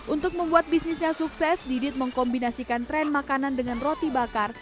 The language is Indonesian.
untuk membuat bisnisnya sukses didit mengkombinasikan tren makanan dengan roti bakar